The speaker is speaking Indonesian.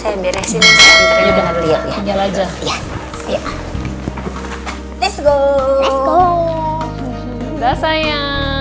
aku bawa siang dulu ya iya sayang kok siang ya